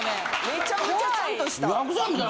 めちゃめちゃちゃんとした。